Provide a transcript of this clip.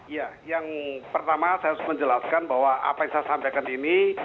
ya yang pertama saya harus menjelaskan bahwa apa yang saya sampaikan ini